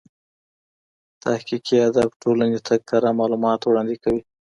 تحقیقي ادب ټولني ته کره معلومات وړاندي کوي.